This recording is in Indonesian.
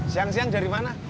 siang siang dari mana